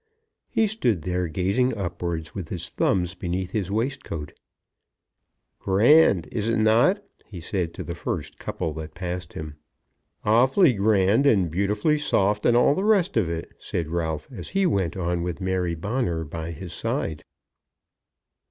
He stood there gazing upwards with his thumbs beneath his waistcoat. "Grand, is it not?" he said to the first couple that passed him. "Awfully grand, and beautifully soft, and all the rest of it," said Ralph, as he went on with Mary Bonner by his side.